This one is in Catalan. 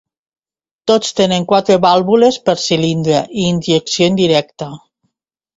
Tots tenen quatre vàlvules per cilindre i injecció indirecta.